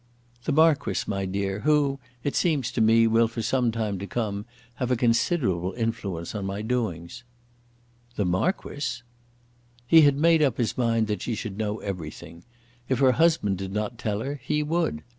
"The Marquis, my dear, who, it seems to me, will, for some time to come, have a considerable influence on my doings." "The Marquis!" He had made up his mind that she should know everything. If her husband did not tell her, he would.